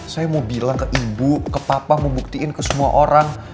saya mau bilang ke ibu ke papa mau buktiin ke semua orang